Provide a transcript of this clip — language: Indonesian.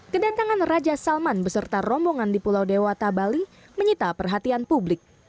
kedatangan raja salman beserta rombongan di pulau dewata bali menyita perhatian publik